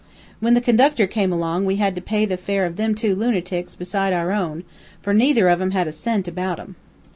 "When the conductor came along we had to pay the fare of them two lunertics, besides our own, for neither of 'em had a cent about 'em.